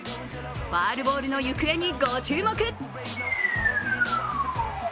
ファウルボールの行方にご注目。